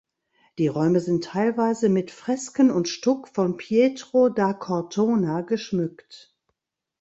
Die Räume sind teilweise mit Fresken und Stuck von Pietro da Cortona geschmückt.